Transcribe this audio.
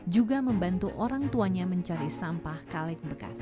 juga membantu orang tuanya mencari sampah kalet bekas